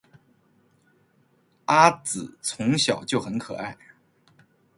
阿梓从小就很可爱